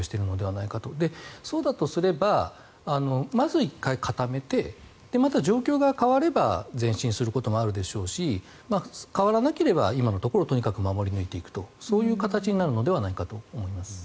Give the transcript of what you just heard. そうだとすればまず１回固めてまた状況が変われば前進することもあるでしょうし変わらなければ今のところをとにかく守り抜いていくとそういう形になるのではないかと思います。